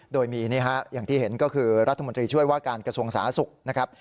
โดยมีนี่ฮะอย่างที่เห็นก็คือรัฐมนตรีช่วยว่าการกระทรวงสาธารณสุขนะครับ